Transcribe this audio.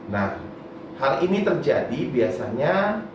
nah hal ini terjadi biasanya